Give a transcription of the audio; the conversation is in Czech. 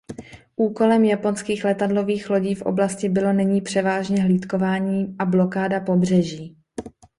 Úkolem japonských letadlových lodí v oblasti bylo nyní převážně hlídkování a blokáda pobřeží.